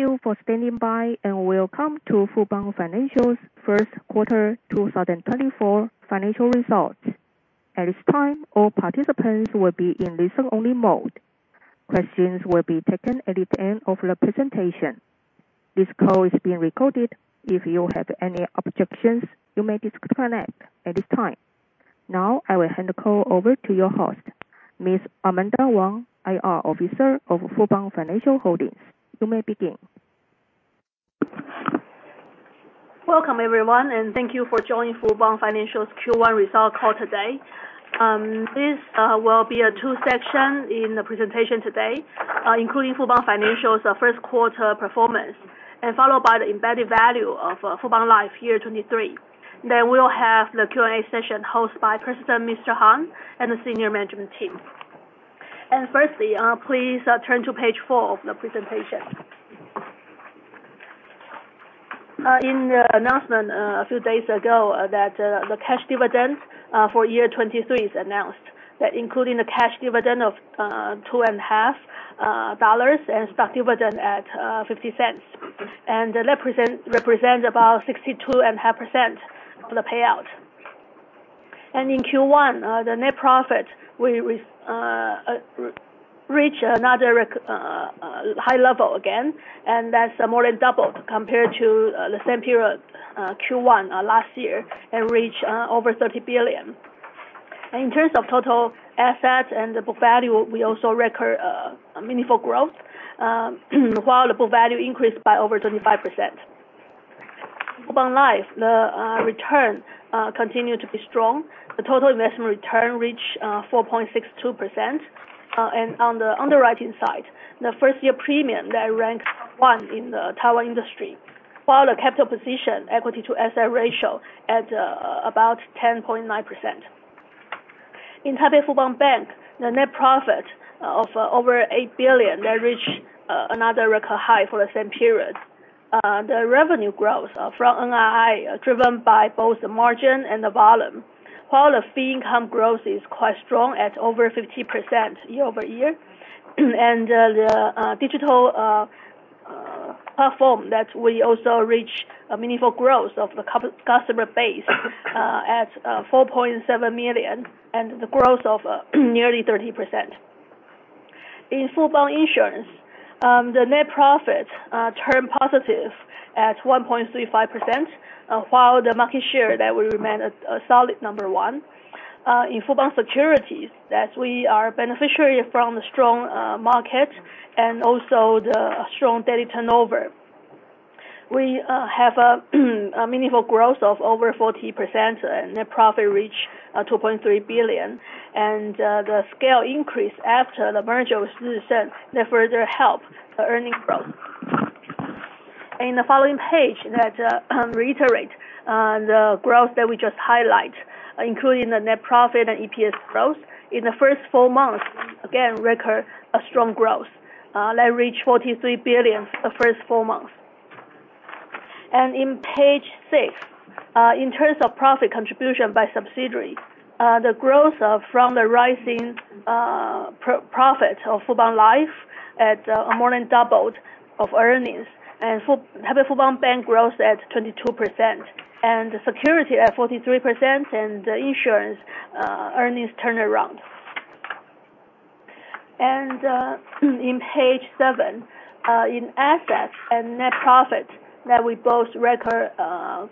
Thank you for standing by, and welcome to Fubon Financial's first quarter 2024 financial results. At this time, all participants will be in listen-only mode. Questions will be taken at the end of the presentation. This call is being recorded. If you have any objections, you may disconnect at this time. Now, I will hand the call over to your host, Ms. Amanda Wang, IR Officer of Fubon Financial Holdings. You may begin. Welcome, everyone, and thank you for joining Fubon Financial's Q1 results call today. This will be a two-section presentation today, including Fubon Financial's first quarter performance, and followed by the Embedded Value of Fubon Life 2023. Then we'll have the Q&A session hosted by President Mr. Harn and the senior management team. First, please turn to page 4 of the presentation. In the announcement a few days ago that the cash dividend for 2023 is announced. That including the cash dividend of 2.5 dollars and stock dividend at 0.5. And that represents about 62.5% for the payout. In Q1, the net profit will reach another record high level again, and that's more than doubled compared to the same period, Q1 last year, and reach over 30 billion. In terms of total assets and the book value, we also record a meaningful growth, while the book value increased by over 35%. Fubon Life, the return continued to be strong. The total investment return reached 4.62%. And on the underwriting side, the first-year premium that ranked one in the Taiwan industry, while the capital position equity to asset ratio at about 10.9%. In Taipei Fubon Bank, the net profit of over 8 billion that reach another record high for the same period. The revenue growth from NII, driven by both the margin and the volume, while the fee income growth is quite strong at over 50% year-over-year. The digital platform that we also reach a meaningful growth of the customer base at 4.7 million, and the growth of nearly 30%. In Fubon Insurance, the net profit turned positive at 1.35%, while the market share that will remain at a solid number one. In Fubon Securities, that we are beneficiary from the strong market and also the strong daily turnover. We have a meaningful growth of over 40%, and net profit reach 2.3 billion. The scale increase after the merger with Jih Sun that further help the earning growth. In the following page that reiterate the growth that we just highlight, including the net profit and EPS growth. In the first 4 months, again, record a strong growth that reach 43 billion the first 4 months. And in page 6, in terms of profit contribution by subsidiary, the growth from the rising profit of Fubon Life at more than doubled of earnings. And Taipei Fubon Bank grows at 22%, and Securities at 43%, and Insurance earnings turned around. And in page 7, in assets and net profit, that we both record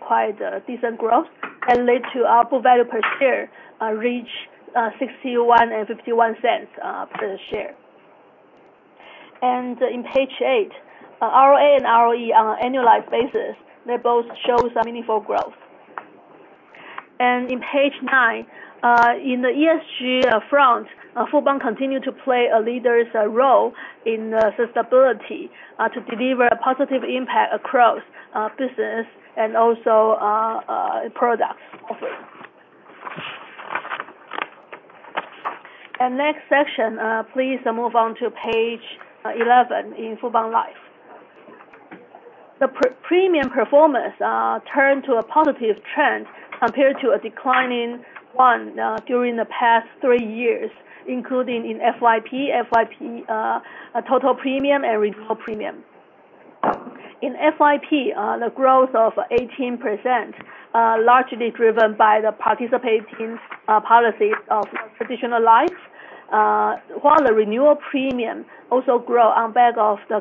quite a decent growth and led to our book value per share reach 61.51 per share. And in page 8, ROA and ROE on an annualized basis, they both show some meaningful growth. In page 9, in the ESG front, Fubon continue to play a leading role in the sustainability to deliver a positive impact across business and also products offered. Next section, please move on to page 11 in Fubon Life. The premium performance turned to a positive trend compared to a declining one during the past 3 years, including in FYP, total premium and renewal premium. In FYP, the growth of 18%, largely driven by the participating policies of traditional life, while the renewal premium also grow on back of the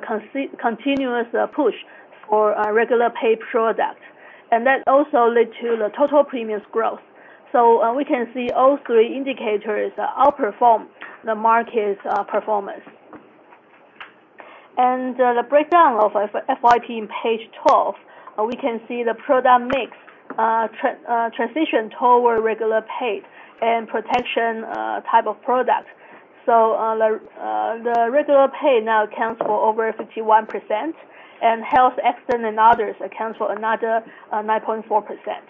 continuous push for regular pay product. And that also led to the total premiums growth. We can see all three indicators outperform the market's performance. The breakdown of FYP in page 12, we can see the product mix, transition toward regular pay and protection type of product. So, the regular pay now accounts for over 51%, and health, accident, and others accounts for another 9.4%. And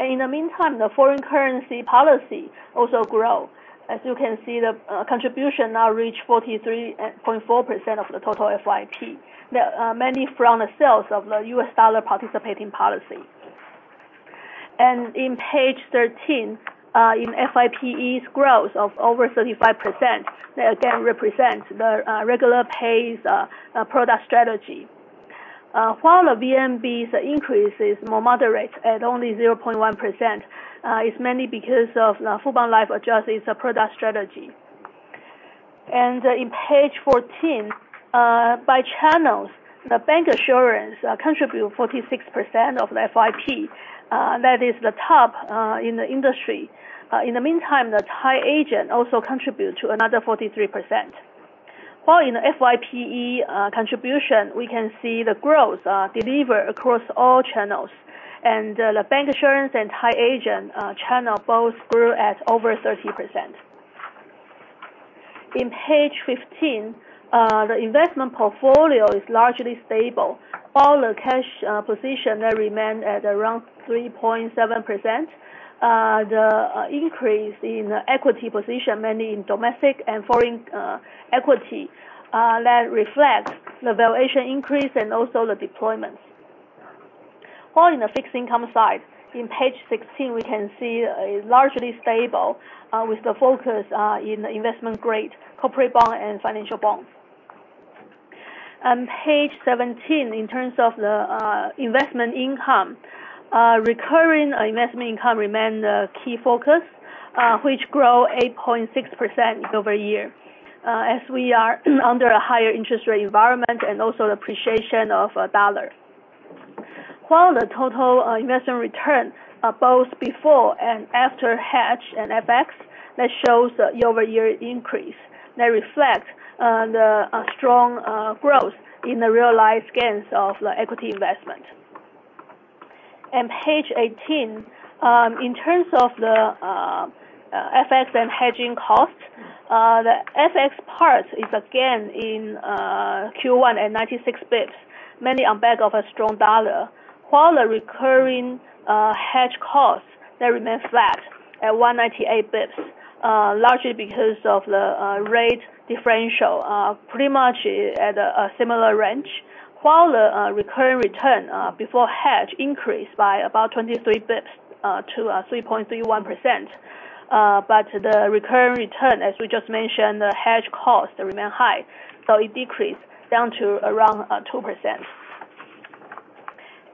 in the meantime, the foreign currency policy also grow. As you can see, the contribution now reach 43.4% of the total FYP. The mainly from the sales of the US dollar participating policy. And in page 13, in FYPE's growth of over 35%, that again represents the regular pay product strategy. While the VNB's increase is more moderate at only 0.1%, it's mainly because of the Fubon Life adjusts its product strategy. In page 14, by channels, the bancassurance contributes 46% of the FYP, that is the top in the industry. In the meantime, the tied agent also contributes to another 43%. While in the FYPE contribution, we can see the growth deliver across all channels, and the bancassurance and tied agent channel both grew at over 30%. In page 15, the investment portfolio is largely stable. All the cash position that remains at around 3.7%. The increase in the equity position, mainly in domestic and foreign equity, that reflects the valuation increase and also the deployments. While in the fixed income side, in page 16, we can see is largely stable, with the focus in the investment grade, corporate bond, and financial bonds. On page 17, in terms of the investment income, recurring investment income remain the key focus, which grow 8.6% over year, as we are under a higher interest rate environment and also the appreciation of dollar. While the total investment return, both before and after hedge and FX, that shows the year-over-year increase that reflect the strong growth in the realized gains of the equity investment. Page 18, in terms of the FX and hedging costs, the FX part is again in Q1 and 96 basis points, mainly on back of a strong dollar. While the recurring hedge costs, they remain flat at 198 basis points, largely because of the rate differential, pretty much at a similar range. While the recurring return before hedge increased by about 23 basis points to 3.31%, but the recurring return, as we just mentioned, the hedge costs remain high, so it decreased down to around 2%.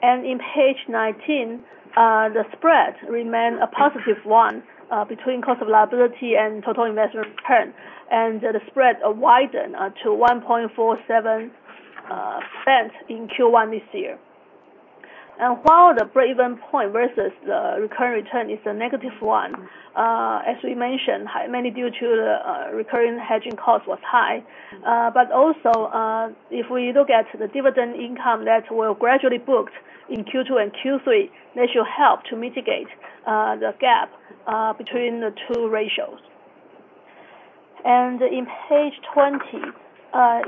And in page 19, the spread remain a positive 1 between cost of liability and total investment return, and the spread widen to 1.47 cents in Q1 this year. And while the break-even point versus the recurring return is a negative 1, as we mentioned, mainly due to the recurring hedging cost was high. But also, if we look at the dividend income that were gradually booked in Q2 and Q3, that should help to mitigate the gap between the two ratios. In page 20,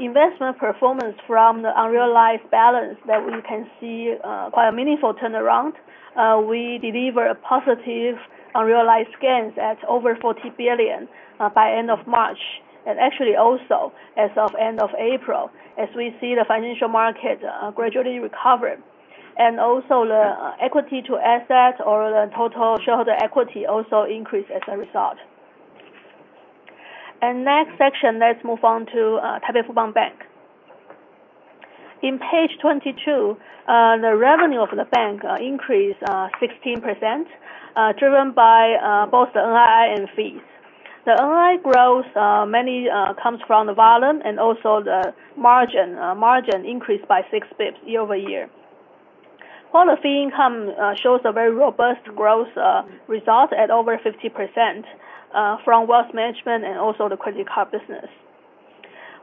investment performance from the unrealized balance that we can see, quite a meaningful turnaround. We deliver a positive unrealized gains at over 40 billion, by end of March, and actually also as of end of April, as we see the financial market, gradually recover. And also the, equity to assets or the total shareholder equity also increased as a result. Next section, let's move on to, Taipei Fubon Bank. In page 22, the revenue of the bank, increased, 16%, driven by, both the NII and fees. The NII growth, mainly, comes from the volume and also the margin. Margin increased by six basis points year-over-year. While the fee income shows a very robust growth result at over 50% from wealth management and also the credit card business.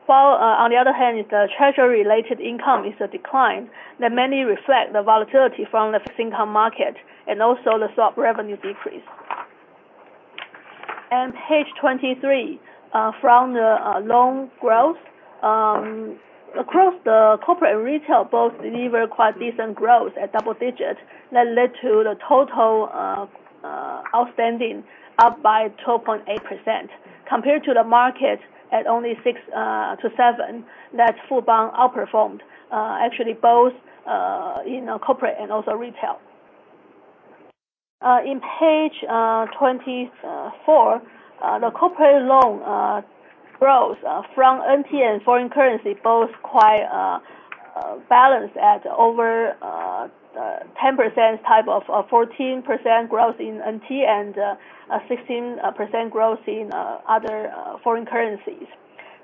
While on the other hand, the treasury-related income is a decline that mainly reflect the volatility from the fixed income market and also the swap revenue decrease. And page 23 from the loan growth across the corporate and retail, both deliver quite decent growth at double digit. That led to the total outstanding up by 12.8%, compared to the market at only 6%-7%, that Fubon outperformed actually both in corporate and also retail. In page 24, the corporate loan growth from NT and foreign currency, both quite balanced at over 10% type of 14% growth in NT and 16% growth in other foreign currencies.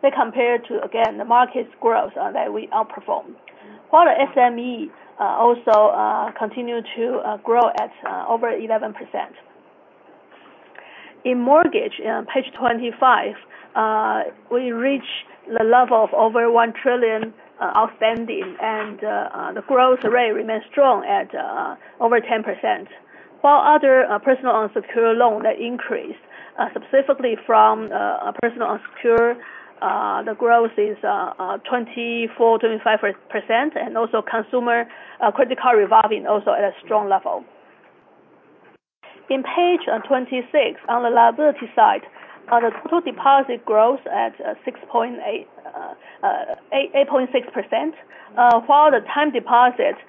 That compared to, again, the market's growth that we outperformed, while the SME also continued to grow at over 11%. In mortgage, in page 25, we reached the level of over 1 trillion outstanding, and the growth rate remains strong at over 10%, while other personal unsecured loan that increased specifically from personal unsecured, the growth is 24-25%, and also consumer credit card revolving also at a strong level. On page 26, on the liability side, on the total deposit growth at 8.6%, while the time deposits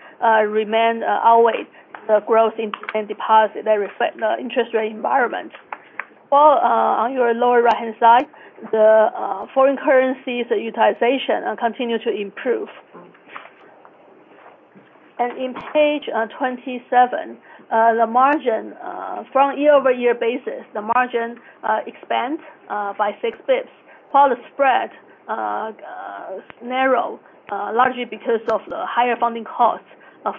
remain always the growth in deposit that reflect the interest rate environment. Well, on your lower right-hand side, the foreign currencies utilization continue to improve. And in page 27, the margin from year-over-year basis, the margin expand by six basis points, while the spread narrow largely because of the higher funding costs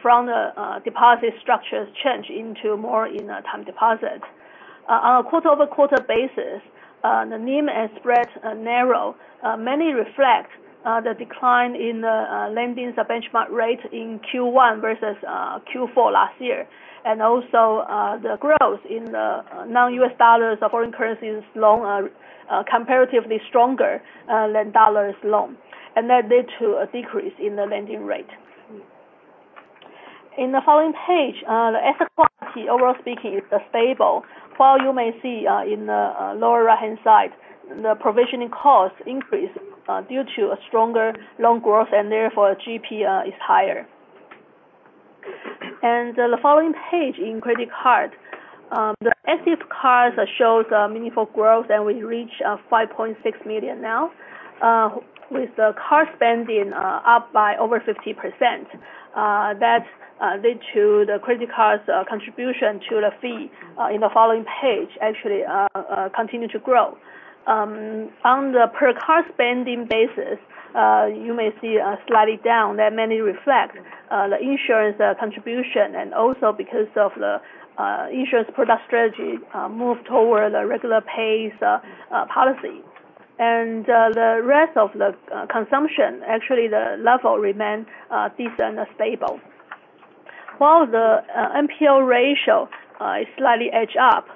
from the deposit structures change into more in time deposit. On a quarter-over-quarter basis, the NIM and spread narrow mainly reflect the decline in the lendings benchmark rate in Q1 versus Q4 last year. Also, the growth in the non-US dollars, the foreign currencies loan are, are comparatively stronger, than dollars loan, and that led to a decrease in the lending rate. In the following page, the asset quality, overall speaking, is stable. While you may see, in the, lower right-hand side, the provisioning costs increased, due to a stronger loan growth, and therefore, general provisions, is higher. The following page in credit card, the active cards shows, meaningful growth, and we reach, 5.6 million now, with the card spending, up by over 50%. That lead to the credit card's contribution to the fee, in the following page, actually, continue to grow. On the per card spending basis, you may see, slightly down. That mainly reflects the insurance contribution, and also because of the insurance product strategy move toward the regular pay policy. And the rest of the consumption, actually, the level remains decent and stable. While the NPL ratio is slightly edged up,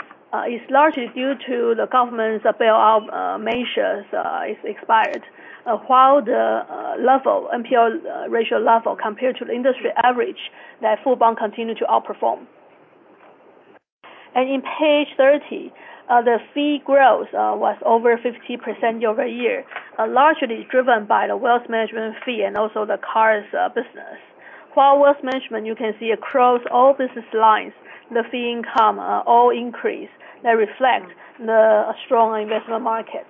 is largely due to the government's bailout measures is expired. While the level, NPL ratio level, compared to the industry average, that Fubon continues to outperform. And in page 30, the fee growth was over 50% year-over-year, largely driven by the wealth management fee and also the cards business. While wealth management, you can see across all business lines, the fee income all increases, that reflects the strong investment market.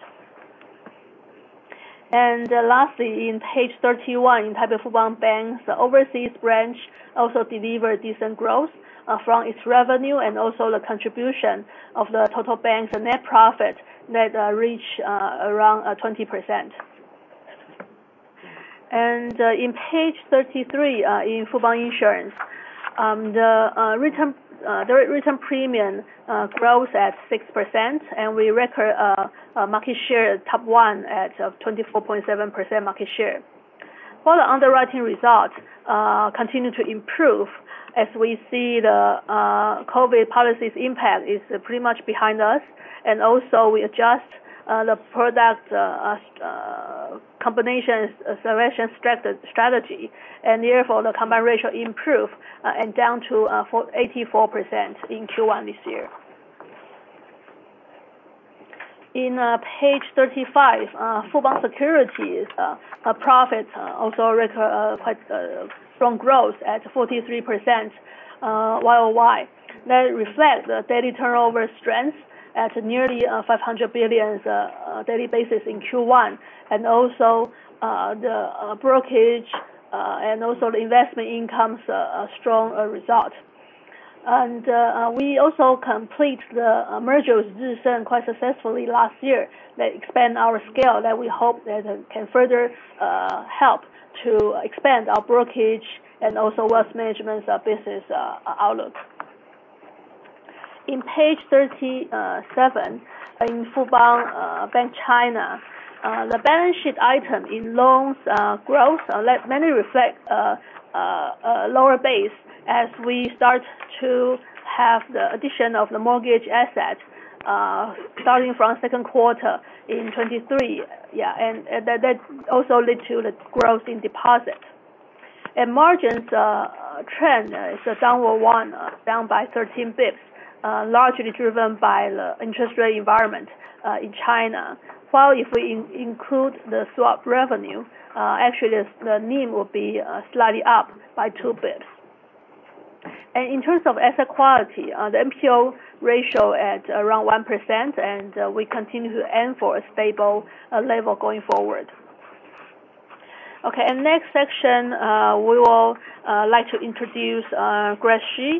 And lastly, in page 31, in Taipei Fubon Bank, the overseas branch also delivered decent growth from its revenue and also the contribution of the total bank's net profit that reach around 20%. And in page 33 in Fubon Insurance, the written premium grows at 6%, and we record a market share at top one at 24.7% market share. While the underwriting results continue to improve as we see the COVID policies impact is pretty much behind us, and also we adjust the product combination selection strategy, and therefore, the combined ratio improve and down to 84% in Q1 this year. In page 35, Fubon Securities profit also record quite strong growth at 43% YOY. That reflect the daily turnover strength at nearly 500 billion daily basis in Q1, and also the brokerage and also the investment income's a strong result. And we also complete the merger with Jih Sun quite successfully last year, that expand our scale, that we hope that can further help to expand our brokerage and also wealth management business outlook. In page 37, in Fubon Bank China, the balance sheet item in loans growth that mainly reflect a lower base as we start to have the addition of the mortgage asset starting from second quarter in 2023. Yeah, and that also lead to the growth in deposit. Margins trend is a downward one, down by 13 basis points, largely driven by the interest rate environment in China. While if we include the swap revenue, actually the NIM will be slightly up by 2 basis points. And in terms of asset quality, the NPL ratio at around 1%, and we continue to aim for a stable level going forward. Okay, and next section, we will like to introduce Grace Shi.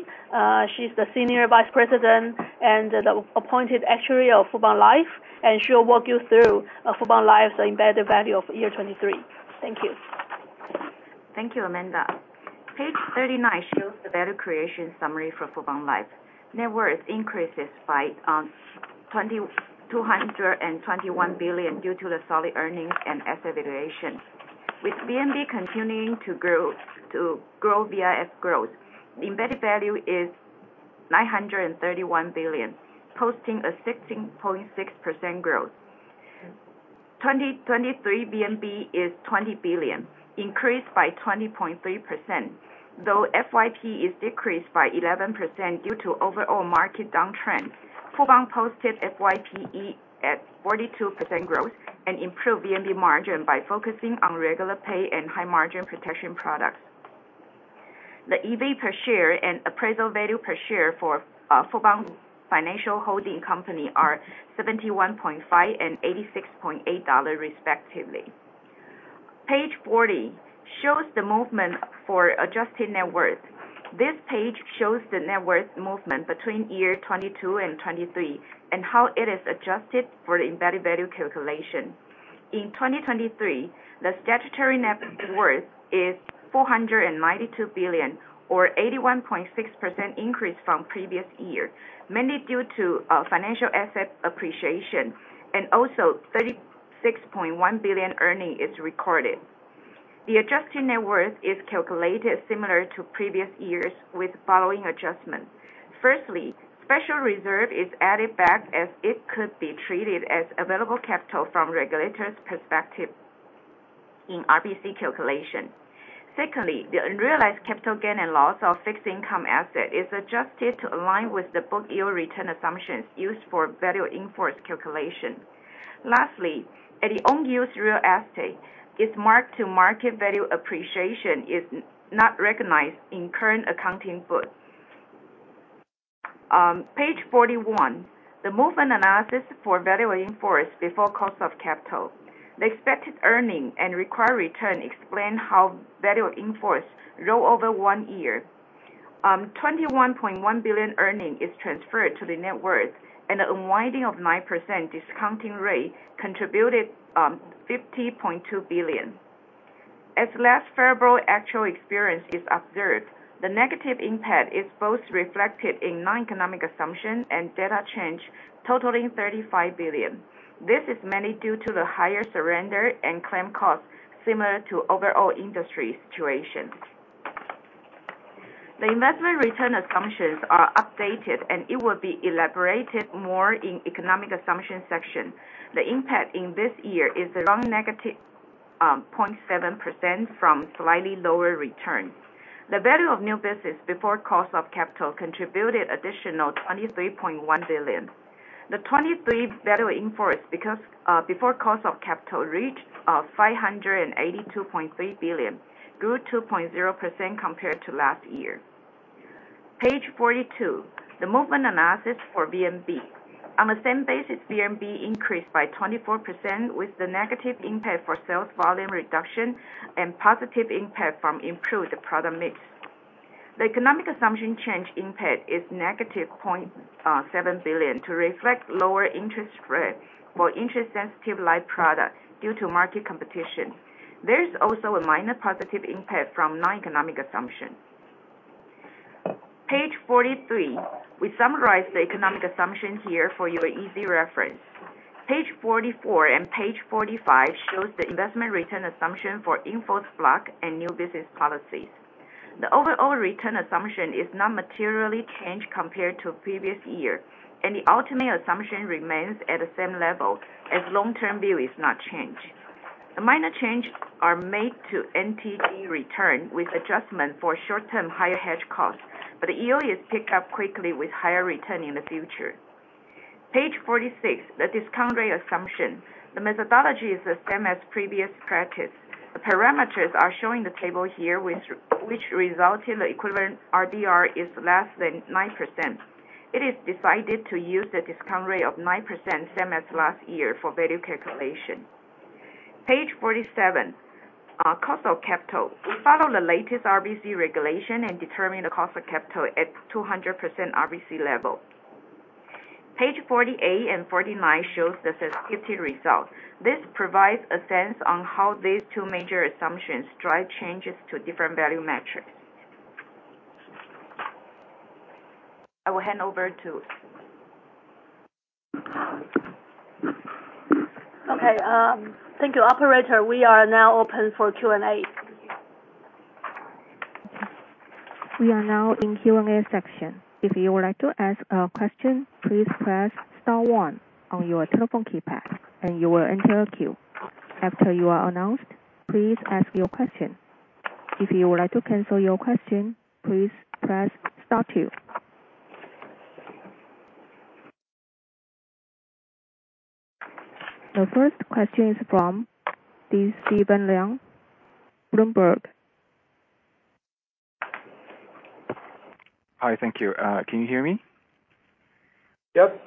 She's the Senior Vice President and the Appointed Actuary of Fubon Life, and she'll walk you through Fubon Life's embedded value of 2023. Thank you. Thank you, Amanda. Page 39 shows the value creation summary for Fubon Life. Net worth increases by two hundred and twenty-one billion, due to the solid earnings and asset valuation. With VNB continuing to grow, VIF growth, the embedded value is nine hundred and thirty-one billion, posting a 16.6% growth. 2023 VNB is twenty billion, increased by 20.3%. Though FYP is decreased by 11% due to overall market downtrend, Fubon posted FYPE at 42% growth and improved VNB margin by focusing on regular pay and high margin protection products. The EV per share and appraisal value per share for Fubon Financial Holding Company are 71.5 and 86.8 dollars respectively. Page 40 shows the movement for adjusted net worth. This page shows the net worth movement between 2022 and 2023, and how it is adjusted for the embedded value calculation. In 2023, the statutory net worth is 492 billion, or 81.6% increase from previous year, mainly due to financial asset appreciation and also 36.1 billion earning is recorded. The adjusted net worth is calculated similar to previous years with following adjustments. Firstly, special reserve is added back as it could be treated as available capital from regulators' perspective in RBC calculation. Secondly, the unrealized capital gain and loss of fixed income asset is adjusted to align with the book year return assumptions used for Value In Force calculation. Lastly, at the own use, real estate, its mark-to-market value appreciation is not recognized in current accounting book. Page 41, the movement analysis for Value In Force before cost of capital. The expected earning and required return explain how Value In Force roll over 1 year. 21.1 billion earning is transferred to the net worth, and the unwinding of 9% discounting rate contributed 50.2 billion. As last February, actual experience is observed, the negative impact is both reflected in non-economic assumption and data change, totaling 35 billion. This is mainly due to the higher surrender and claim costs, similar to overall industry situation. The investment return assumptions are updated, and it will be elaborated more in economic assumption section. The impact in this year is around negative 0.7% from slightly lower return. The Value of New Business before cost of capital contributed additional 23.1 billion. The 2023 Value In Force, because, before cost of capital, reached 582.3 billion, grew 2.0% compared to last year. Page 42, the movement analysis for VNB. On the same basis, VNB increased by 24%, with the negative impact for sales volume reduction and positive impact from improved product mix. The economic assumption change impact is negative 0.7 billion to reflect lower interest rate for interest-sensitive life products due to market competition. There is also a minor positive impact from non-economic assumption. Page 43, we summarize the economic assumption here for your easy reference. Page 44 and page 45 shows the investment return assumption for in-force block and new business policies. The overall return assumption is not materially changed compared to previous year, and the ultimate assumption remains at the same level as long-term view is not changed. The minor changes are made to NTD return with adjustment for short-term higher hedge costs, but the yield is picked up quickly with higher return in the future. Page 46, the discount rate assumption. The methodology is the same as previous practice. The parameters are showing the table here, which result in the equivalent RDR is less than 9%. It is decided to use the discount rate of 9%, same as last year, for value calculation. Page 47, cost of capital. We follow the latest RBC regulation and determine the cost of capital at 200% RBC level. Page 48 and 49 shows the sensitivity result. This provides a sense on how these two major assumptions drive changes to different value metrics. I will hand over to- Okay, thank you, operator. We are now open for Q&A. We are now in Q&A section. If you would like to ask a question, please press star one on your telephone keypad and you will enter a queue. After you are announced, please ask your question. If you would like to cancel your question, please press star two. The first question is from Stephen Leung, Bloomberg. Hi, thank you. Can you hear me? Yep.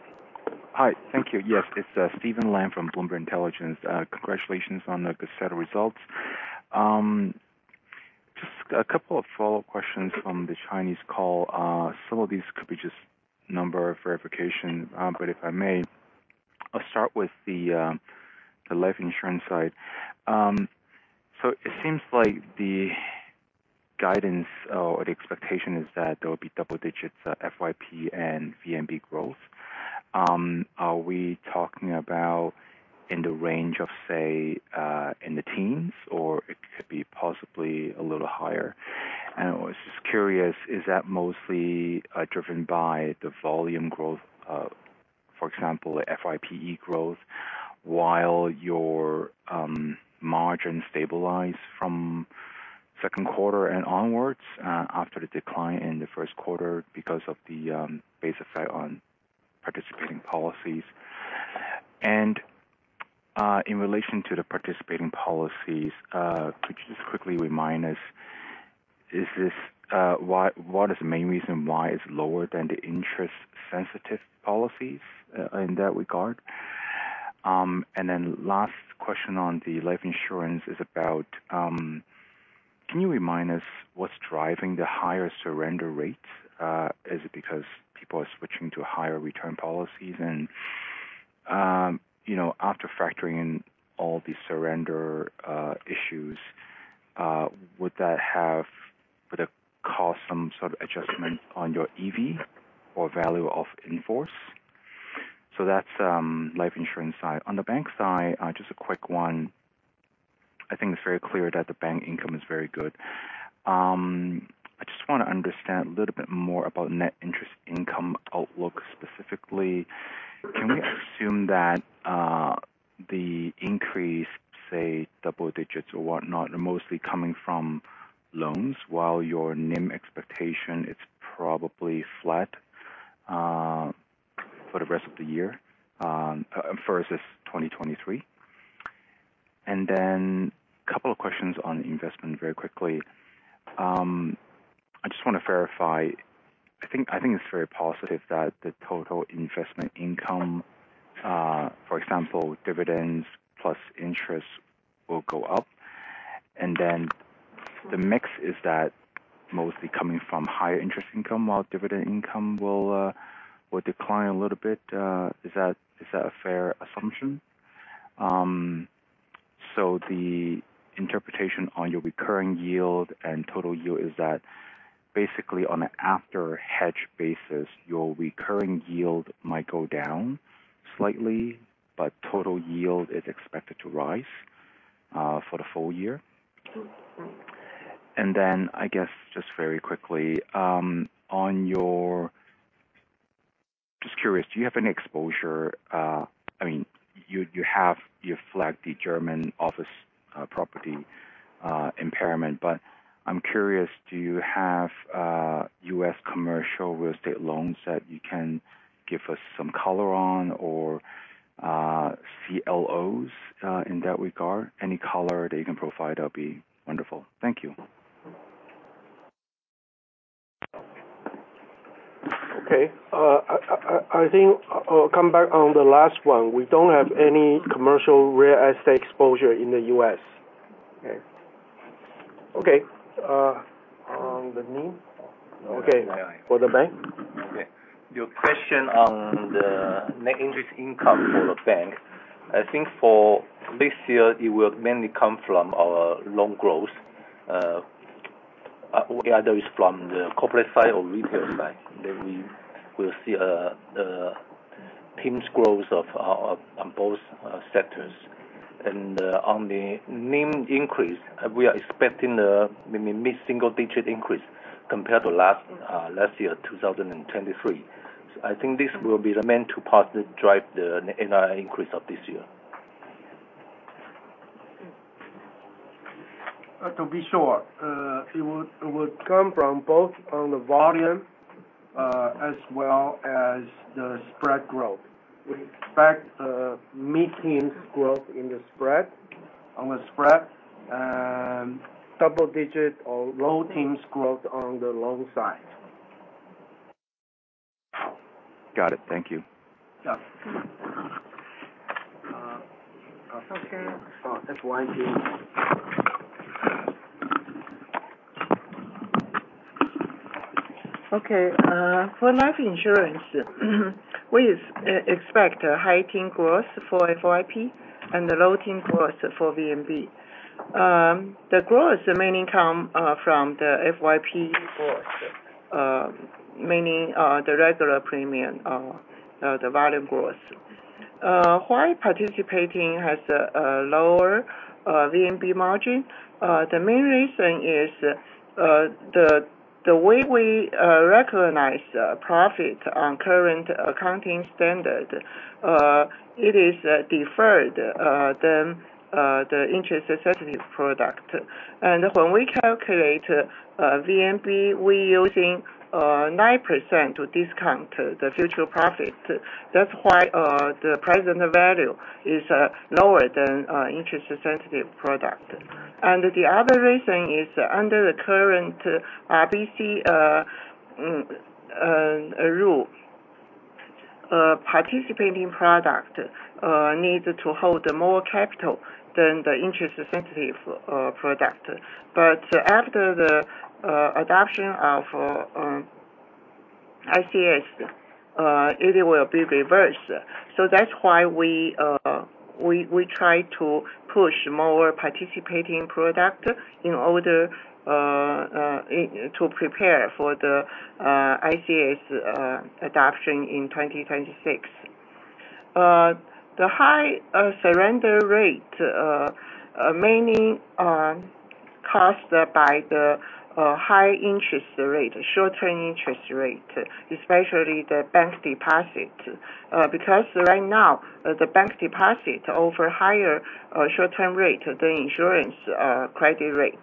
Hi, thank you. Yes, it's Stephen Leung from Bloomberg Intelligence. Congratulations on the good set of results. Just a couple of follow-up questions from the Chinese call. Some of these could be just number verification, but if I may, I'll start with the life insurance side. So it seems like the guidance or the expectation is that there will be double digits FYP and VNB growth. Are we talking about in the range of, say, in the teens, or it could be possibly a little higher? And I was just curious, is that mostly driven by the volume growth, for example, FYPE growth, while your margin stabilize from second quarter and onwards, after the decline in the first quarter because of the base effect on participating policies? And, in relation to the participating policies, could you just quickly remind us, is this, why-- what is the main reason why it's lower than the interest-sensitive policies, in that regard? And then last question on the life insurance is about, can you remind us what's driving the higher surrender rates? Is it because people are switching to higher return policies? And, you know, after factoring in all these surrender, issues, would that have, would that cause some sort of adjustment on your EV or Value In Force? So that's life insurance side. On the bank side, just a quick one. I think it's very clear that the bank income is very good. I just want to understand a little bit more about net interest income outlook specifically. Can we assume that, the increase, say, double digits or whatnot, are mostly coming from loans while your NIM expectation, it's probably flat, for the rest of the year, as far as this 2023? And then a couple of questions on investment very quickly. I just want to verify, I think, I think it's very positive that the total investment income, for example, dividends plus interest, will go up. And then the mix, is that mostly coming from higher interest income, while dividend income will, will decline a little bit? Is that, is that a fair assumption? So the interpretation on your recurring yield and total yield is that basically on an after-hedge basis, your recurring yield might go down slightly, but total yield is expected to rise, for the full year. I guess, just very quickly, on your... Just curious, do you have any exposure, I mean, you, you have, you flagged the German office property impairment, but I'm curious, do you have U.S. commercial real estate loans that you can give us some color on or, CLOs, in that regard? Any color that you can provide, that'll be wonderful. Thank you. Okay. I think I'll come back on the last one. We don't have any commercial real estate exposure in the U.S. Okay. Okay. On the NIM? Okay, for the bank. Okay. Your question on the net interest income for the bank. I think for this year, it will mainly come from our loan growth. Either it's from the corporate side or retail side, then we will see the teams growth of on both sectors. And on the NIM increase, we are expecting a mid-single digit increase compared to last last year, 2023. I think this will be the main two parts that drive the NII increase of this year. To be sure, it would come from both on the volume as well as the spread growth. We expect mid-teens growth in the spread, on the spread, and double-digit or low teens growth on the loan side. Got it. Thank you. Yeah. Okay. FY 2023. Okay. For life insurance, we expect a high-teen growth for FYP and a low-teen growth for VNB. The growth mainly come from the FYP growth, meaning the regular premium the volume growth. Why participating has a lower VNB margin? The main reason is the way we recognize profit on current accounting standard, it is deferred than the interest sensitive product. And when we calculate VNB, we're using 9% to discount the future profit. That's why the present value is lower than interest sensitive product. And the other reason is, under the current RBC rule, participating product needs to hold more capital than the interest sensitive product. But after the adoption of ICS, it will be reversed. That's why we try to push more participating product in order to prepare for the ICS adoption in 2026.... the high surrender rate mainly caused by the high interest rate, short-term interest rate, especially the bank deposit. Because right now, the bank deposit offer higher short-term rate than insurance credit rate.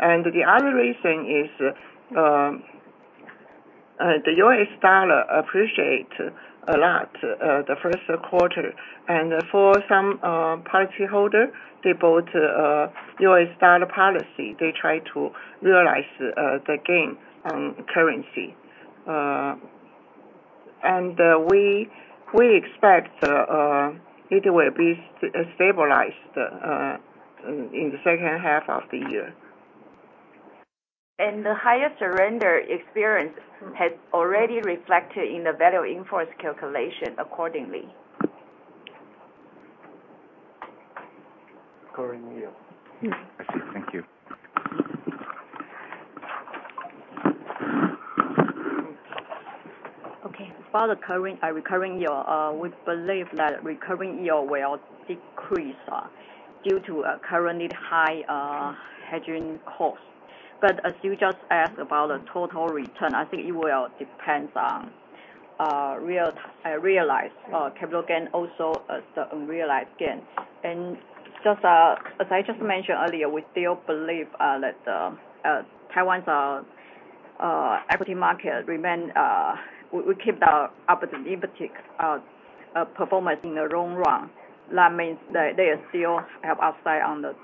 And the other reason is, the US dollar appreciate a lot, the first quarter. And for some policyholder, they bought US dollar policy. They try to realize the gain on currency. And we, we expect it will be stabilized in the second half of the year. The higher surrender experience has already reflected in the Value In Force calculation accordingly. Recurring yield. I see. Thank you. Okay. For the current recurring yield, we believe that recurring yield will decrease due to currently high hedging costs. But as you just asked about the total return, I think it will depends on realized capital gain, also as the unrealized gain. And just as I just mentioned earlier, we still believe that Taiwan's equity market remain. We keep the optimistic performance in the long run. That means that they still have upside on the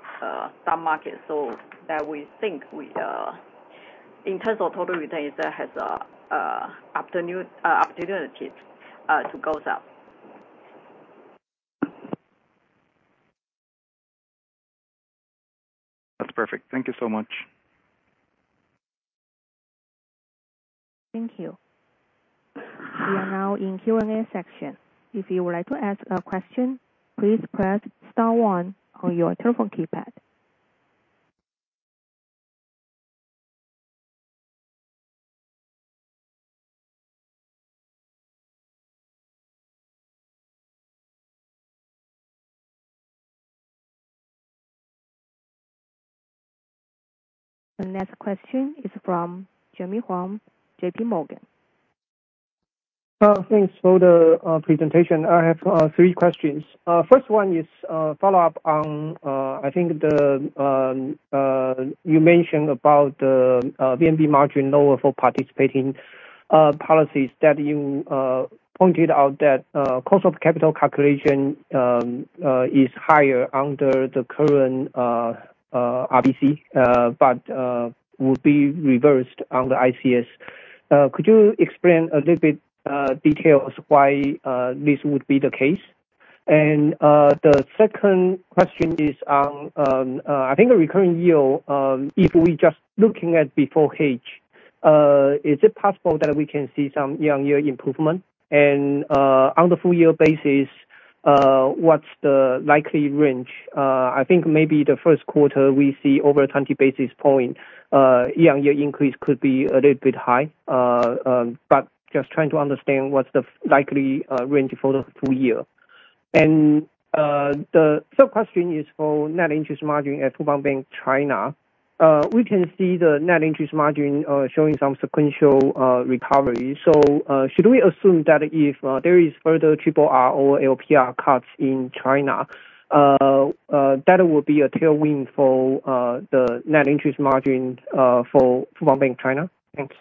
stock market, so that we think in terms of total returns, that has opportunity to goes up. That's perfect. Thank you so much. Thank you. We are now in Q&A section. If you would like to ask a question, please press star one on your telephone keypad. The next question is from Jimmy Huang, J.P. Morgan. Thanks for the presentation. I have three questions. First one is a follow-up on, I think the, you mentioned about the VNB margin lower for participating policies that you pointed out that cost of capital calculation is higher under the current RBC, but would be reversed on the ICS. Could you explain a little bit details why this would be the case? And the second question is on, I think the recurring yield, if we're just looking at before hedge, is it possible that we can see some year-on-year improvement? And on the full year basis, what's the likely range? I think maybe the first quarter, we see over 20 basis point year-on-year increase could be a little bit high. But just trying to understand what's the likely range for the full year. And the third question is for net interest margin at Fubon Bank, China. We can see the net interest margin showing some sequential recovery. So should we assume that if there is further RRR or LPR cuts in China that would be a tailwind for the net interest margin for Fubon Bank, China? Thanks.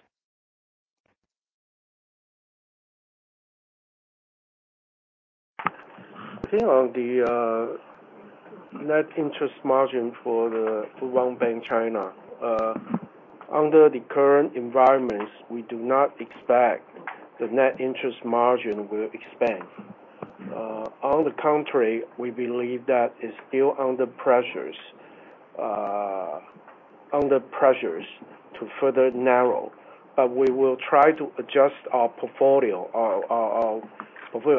I think on the net interest margin for the Fubon Bank (China), under the current environments, we do not expect the net interest margin will expand. On the contrary, we believe that it's still under pressures under pressures to further narrow, but we will try to adjust our portfolio.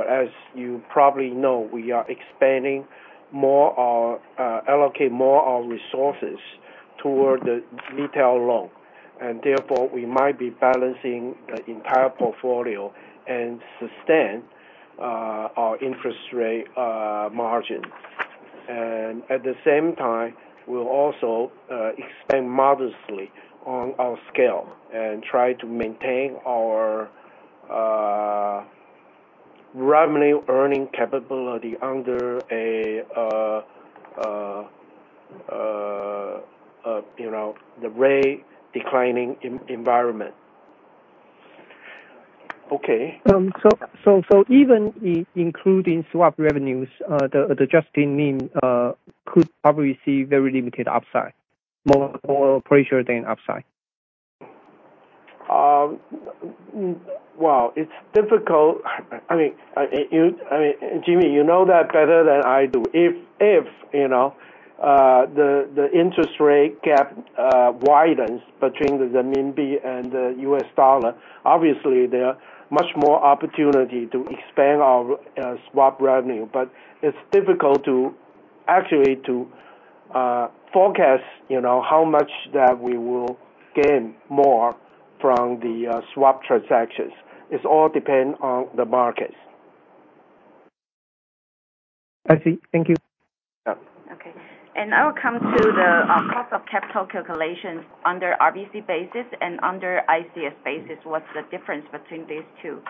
As you probably know, we are expanding more our allocate more our resources toward the retail loan, and therefore, we might be balancing the entire portfolio and sustain our interest rate margin. And at the same time, we'll also expand modestly on our scale and try to maintain our revenue earning capability under a you know, the rate declining environment. Okay. So even including swap revenues, the adjusted NIM could probably see very limited upside, more pressure than upside? Well, it's difficult. I mean, Jimmy, you know that better than I do. If you know, the interest rate gap widens between the RMB and the US dollar, obviously, there are much more opportunity to expand our swap revenue. But it's difficult to actually to-... forecast, you know, how much that we will gain more from the, swap transactions. It's all depend on the markets. I see. Thank you. Yeah. Okay, and I will come to the, cost of capital calculations under RBC basis and under ICS basis, what's the difference between these two?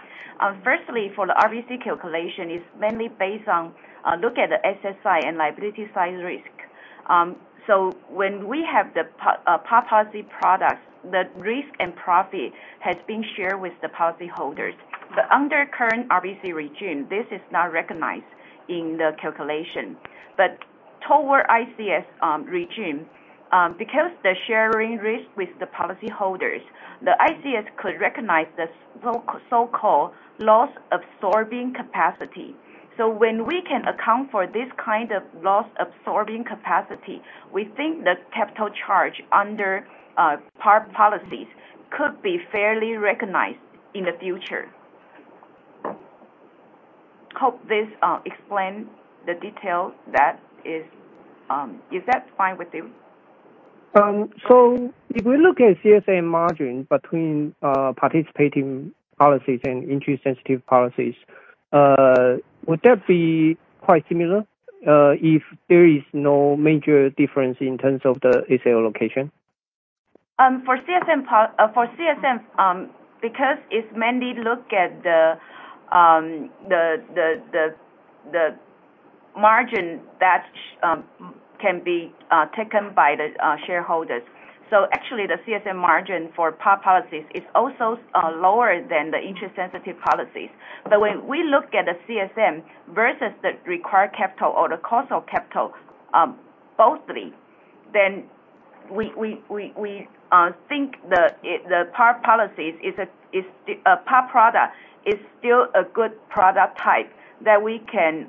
Firstly, for the RBC calculation, it's mainly based on, look at the asset and liability side risk. So when we have the par policy product, the risk and profit has been shared with the policyholders. But under current RBC regime, this is not recognized in the calculation. But toward ICS, regime, because the sharing risk with the policyholders, the ICS could recognize this so-called loss-absorbing capacity. So when we can account for this kind of loss-absorbing capacity, we think the capital charge under, par policies could be fairly recognized in the future. Hope this, explain the detail that is... Is that fine with you? So if we look at CSM margin between participating policies and interest-sensitive policies, would that be quite similar if there is no major difference in terms of the ACO location? For CSM, because it's mainly look at the margin that can be taken by the shareholders. So actually the CSM margin for par policies is also lower than the interest-sensitive policies. But when we look at the CSM versus the required capital or the cost of capital, broadly, then we think the par policies is a par product is still a good product type that we can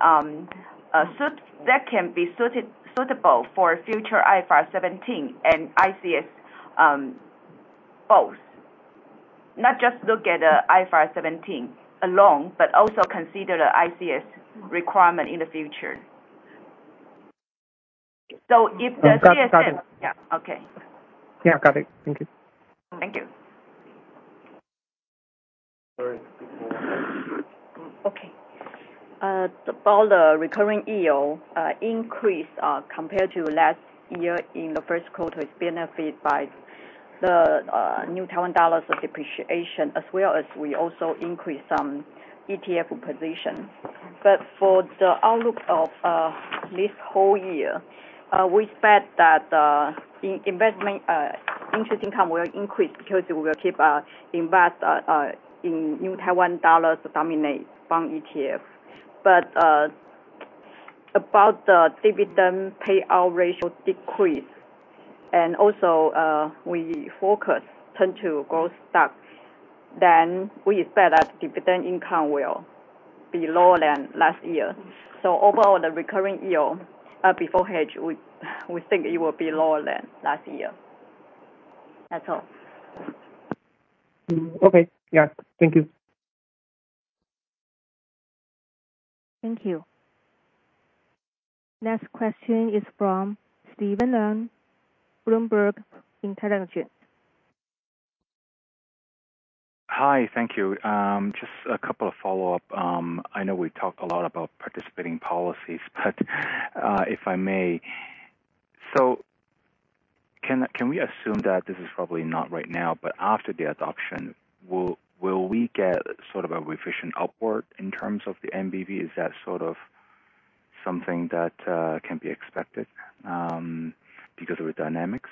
suit. That can be suited, suitable for future IFRS 17 and ICS, both. Not just look at the IFRS 17 alone, but also consider the ICS requirement in the future. So if the CSM- Got it, got it. Yeah. Okay. Yeah, got it. Thank you. Thank you. All right. Okay. About the recurring yield increase compared to last year in the first quarter, it's benefit by the New Taiwan dollar's depreciation, as well as we also increased some ETF position. But for the outlook of this whole year, we expect that in investment interest income will increase because we will keep invest in New Taiwan dollar-denominated bond ETF. But about the dividend payout ratio decrease, and also we focus turn to growth stocks, then we expect that dividend income will be lower than last year. So overall, the recurring yield before hedge, we think it will be lower than last year. That's all. Okay. Yeah. Thank you. Thank you. Next question is from Stephen Leung, Bloomberg Intelligence. Hi, thank you. Just a couple of follow-up. I know we talked a lot about participating policies, but, if I may. So can we assume that this is probably not right now, but after the adoption, will we get sort of a revision upward in terms of the NBV? Is that sort of something that can be expected, because of the dynamics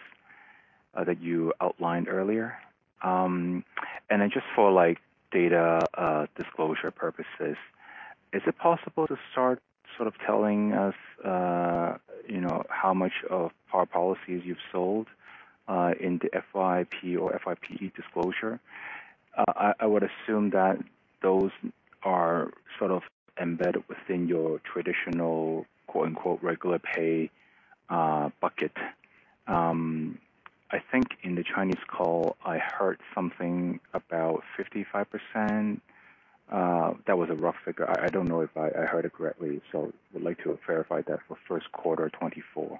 that you outlined earlier? And then just for, like, data disclosure purposes, is it possible to start sort of telling us, you know, how much of par policies you've sold, in the FYP or FYPE disclosure? I would assume that those are sort of embedded within your traditional, quote, unquote, "regular pay," bucket. I think in the Chinese call, I heard something about 55%. That was a rough figure. I don't know if I heard it correctly, so I would like to verify that for first quarter 2024.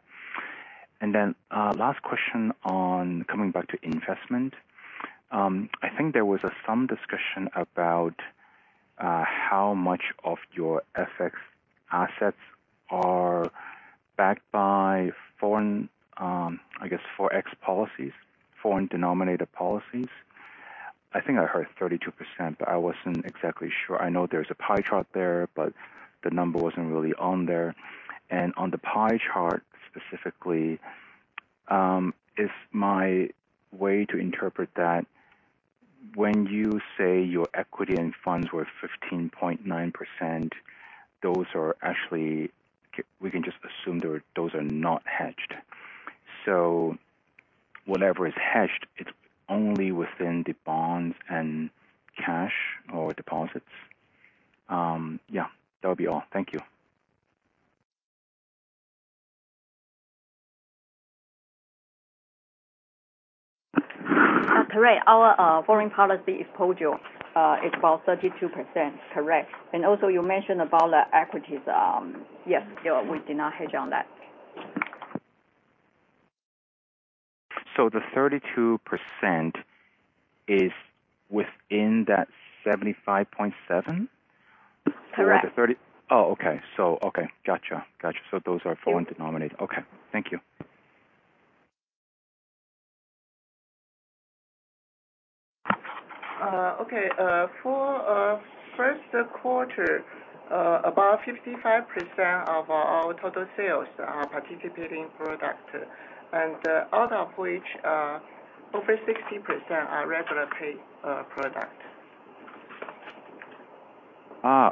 Then, last question on coming back to investment. I think there was some discussion about how much of your FX assets are backed by foreign, I guess, forex policies, foreign denominated policies. I think I heard 32%, but I wasn't exactly sure. I know there's a pie chart there, but the number wasn't really on there. And on the pie chart, specifically, is my way to interpret that when you say your equity and funds were 15.9%, those are actually... See, we can just assume those are not hedged. So whatever is hedged, it's only within the bonds and cash or deposits? Yeah, that would be all. Thank you.... Correct. Our foreign policy exposure is about 32%. Correct. And also you mentioned about the equities. Yes, yeah, we did not hedge on that. So the 32% is within that 75.7? Correct. Oh, okay. So, okay. Gotcha. Gotcha. So those are foreign denominated. Yeah. Okay, thank you. Okay, for first quarter, about 55% of our total sales are participating product, and out of which, over 60% are regular pay product.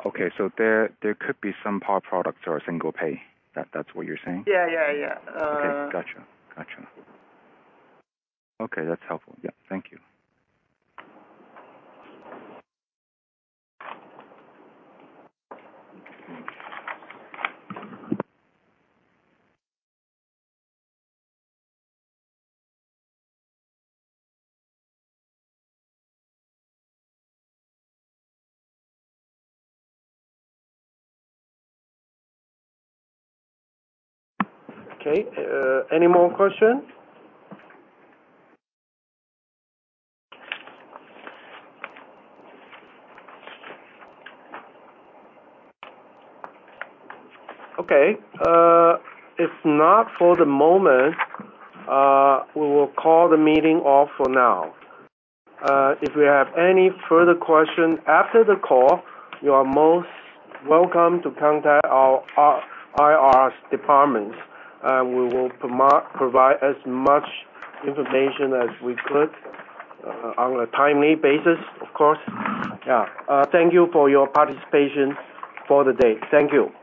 Okay. So there could be some par products or a single pay, that's what you're saying? Yeah, yeah, yeah. Okay. Gotcha. Gotcha. Okay, that's helpful. Yeah, thank you. Okay. Any more questions? Okay, if not, for the moment, we will call the meeting off for now. If you have any further questions after the call, you are most welcome to contact our IR department, and we will provide as much information as we could, on a timely basis, of course. Yeah. Thank you for your participation for the day. Thank you.